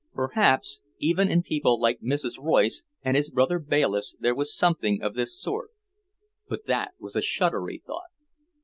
Perhaps even in people like Mrs. Royce and his brother Bayliss there was something of this sort but that was a shuddery thought.